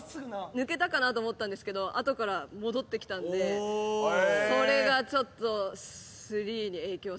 抜けたかなと思ったんですけどあとから戻ってきたのでそれがちょっとスリーに影響しました。